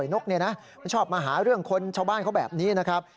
นกชอบมาหาเรื่องคนชาวบ้านเขาแบบนี้นะครับ